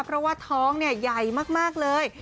เพราะว่าท้องเนี่ยใหญ่มากเลย